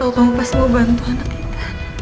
aku tahu kamu pasti mau bantu anak kita